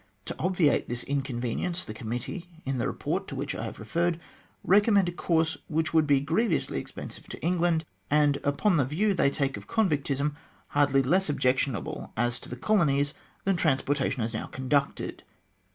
To obviate this inconvenience, the Committee, in the Eeport to which I have referred, recommend a course which would be grievously expensive to England, and, upon the view they take of convictism, hardly less objectionable as to the Colonies, than transportation as now conducted.